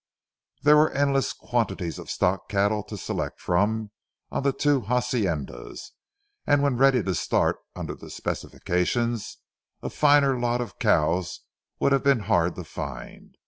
There were endless quantities of stock cattle to select from on the two haciendas, and when ready to start, under the specifications, a finer lot of cows would have been hard to find.